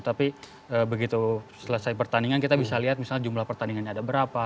tapi begitu selesai pertandingan kita bisa lihat misalnya jumlah pertandingannya ada berapa